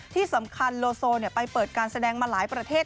ที่สำคัญโลโซไปเปิดการแสดงมาหลายประเทศ